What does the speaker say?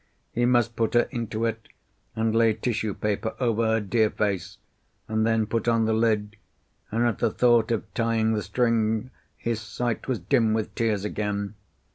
He must put her into it, and lay tissue paper over her dear face, and then put on the lid, and at the thought of tying the string his sight was dim with tears again.